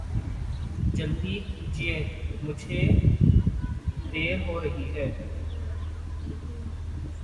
جلدی کیجئے مجھے دعر ہو رہی ہے